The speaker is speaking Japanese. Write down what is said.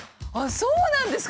そうなんですか？